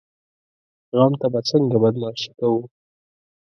غم ته به څنګه بدماشي کوو؟